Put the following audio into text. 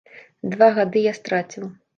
Два гады я страціў.